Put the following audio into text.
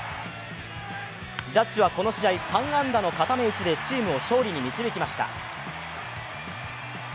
ジャッジはこの試合３安打の固め打ちでチームを勝利に導きました。